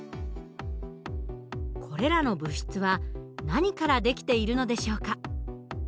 これらの物質は何からできているのでしょうか？